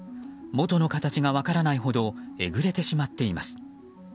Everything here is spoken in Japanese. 元の形が分からないほどえぐれてしまっています。